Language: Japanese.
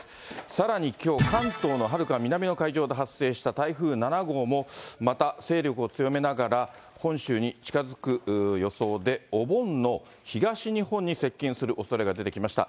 さらにきょう、関東のはるか南の海上で発生した台風７号も、また勢力を強めながら、本州に近づく予想で、お盆の東日本に接近するおそれが出てきました。